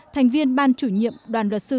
thành viên ban chủ nhiệm đoàn luật sư